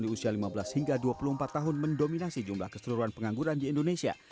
di usia lima belas hingga dua puluh empat tahun mendominasi jumlah keseluruhan pengangguran di indonesia